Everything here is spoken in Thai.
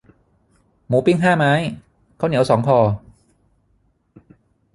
หมูปิ้งห้าไม้ ข้าวเหนียวสองห่อ